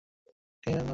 তোমার টিম এখনও আসেনি?